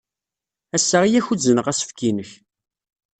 Ass-a ay ak-uzneɣ asefk-nnek!